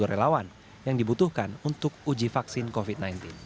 dua puluh relawan yang dibutuhkan untuk uji vaksin covid sembilan belas